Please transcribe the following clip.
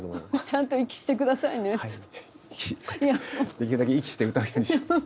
できるだけ息して歌うようにします。